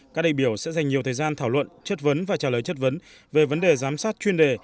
các đại biểu sẽ dành nhiều thời gian thảo luận chất vấn và trả lời chất vấn về vấn đề giám sát chuyên đề